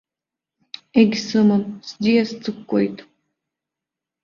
Егьсымам, сӡиас ҵыкәкәеит.